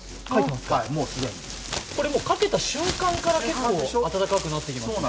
これ、かけた瞬間から結構暖かくなってきますね。